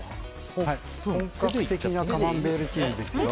本格的なカマンベールチーズですよ。